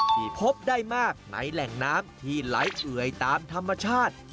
ที่พบได้มากในแหล่งน้ำที่ไหลเอื่อยตามธรรมชาติ